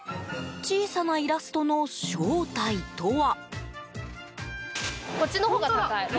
小さなイラストの正体とは？